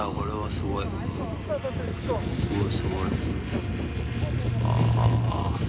すごいすごい。